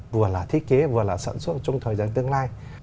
vừa là thiết kế vừa là sản xuất trong thời gian tương lai